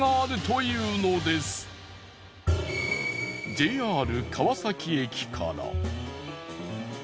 ＪＲ川崎駅から。